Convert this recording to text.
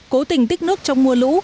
cố tình tích nước trong mưa lũ